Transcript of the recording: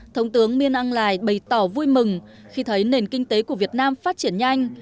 thống tướng miên ang lài bày tỏ vui mừng khi thấy nền kinh tế của việt nam phát triển nhanh